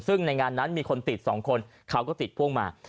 ซึ่งในงานนั้นมีคนติด๒คนเขาก็ติดพ่วงมา